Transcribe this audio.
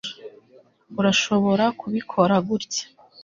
urashobora kubikora gutya